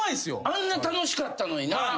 あんな楽しかったのにな。